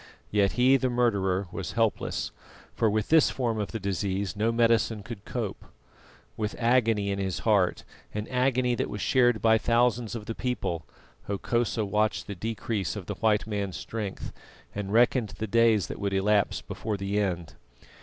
Yet he, the murderer, was helpless, for with this form of the disease no medicine could cope. With agony in his heart, an agony that was shared by thousands of the people, Hokosa watched the decrease of the white man's strength, and reckoned the days that would elapse before the end.